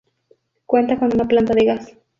Cuenta con una planta de gas.